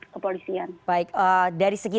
kepolisian baik dari segi